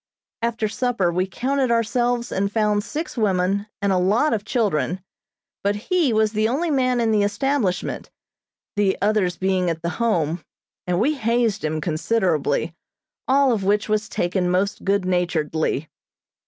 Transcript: After supper we counted ourselves and found six women and a lot of children, but he was the only man in the establishment, the others being at the Home, and we hazed him considerably, all of which was taken most good naturedly.